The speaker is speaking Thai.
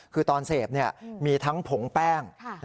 คือตอนเสพมีทั้งผงแป้ง